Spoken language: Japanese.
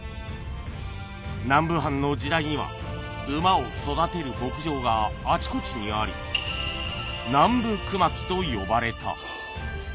南部藩の時代には馬を育てる牧場があちこちにありと呼ばれた